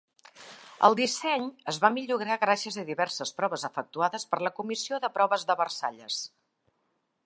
El disseny es va millorar gràcies a diverses proves efectuades per la Comissió de Proves de Versalles.